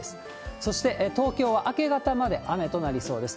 そして東京は明け方まで雨となりそうです。